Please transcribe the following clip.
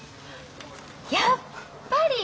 やっぱり！